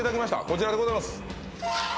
こちらでございます